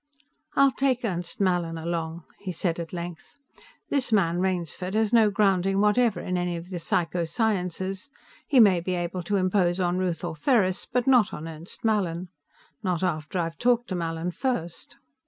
"I'll take Ernst Mallin along," he said at length. "This man Rainsford has no grounding whatever in any of the psychosciences. He may be able to impose on Ruth Ortheris, but not on Ernst Mallin. Not after I've talked to Mallin first."